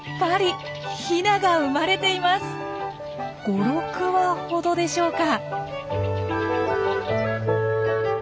５６羽ほどでしょうか。